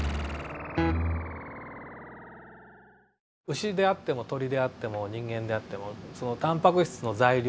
牛であっても鳥であっても人間であってもそのタンパク質の材料